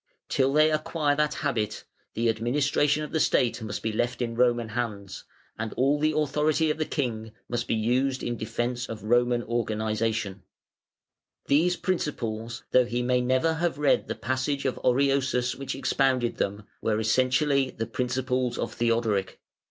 Till they acquire that habit, the administration of the State must be left in Roman hands, and all the authority of the King must be used in defence of Roman organisation". [Footnote 66: See p. 4.] These principles, though he may never have read the passage of Orosius which expounded them, were essentially the principles of Theodoric.